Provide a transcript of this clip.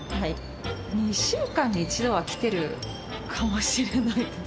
２週間に１度は来てるかもしれないです。